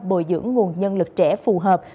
bồi dưỡng nguồn nhân lực trẻ phù hợp